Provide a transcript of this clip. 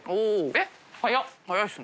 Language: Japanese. えっ早い。